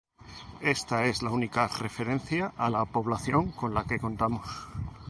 Esta es la única referencia a la población con la que contamos.